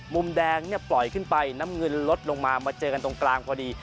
มุมแดงเนี่ยปล่อยขึ้นไปน้ำเงินลดลงมามาเจอกันตรงกลางพอดี